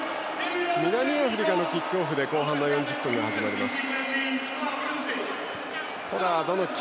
南アフリカのキックオフで後半の４０分が始まります。